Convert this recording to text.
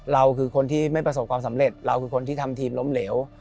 เราคือคนที่ไม่ประสบความสำเร็จเราคือคนที่ทำทีมล้มเหลว